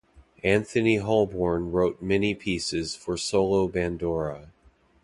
Anthony Holborne wrote many pieces for solo bandora.